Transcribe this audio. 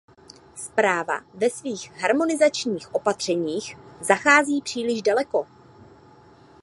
Zpráva ve svých harmonizačních opatřeních zachází příliš daleko.